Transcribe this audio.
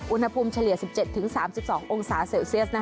อุณหภูมิเฉลี่ย๑๗๓๒องศาเซลเซียส